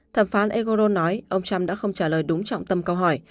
thẩm phán egoro nói ông trump đã không trả lời đúng trọng tâm câu hỏi